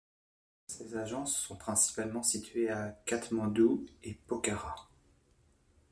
Ces agences sont principalement situées à Katmandou et Pokhara.